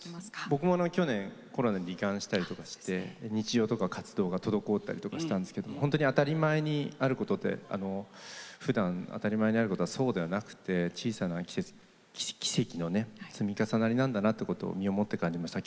僕も去年コロナに、り患したりして日常とか活動とか滞ったりしたんですけど本当に当たり前にあることってふだん、当たり前にあることはそうではなくて小さな奇跡の積み重ねなんだなって身をもって感じました。